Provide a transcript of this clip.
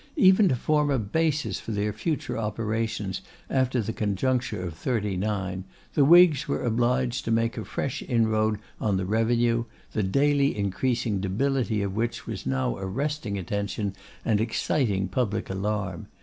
Even to form a basis for their future operations, after the conjuncture of '39, the Whigs were obliged to make a fresh inroad on the revenue, the daily increasing debility of which was now arresting attention and exciting public alarm.